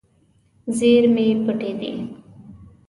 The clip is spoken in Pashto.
زیرمې پټې دي.